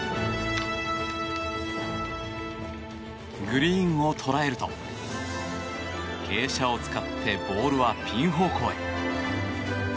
グリーンを捉えると傾斜を使ってボールはピン方向へ。